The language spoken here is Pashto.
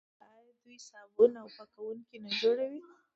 آیا دوی صابون او پاکوونکي نه جوړوي؟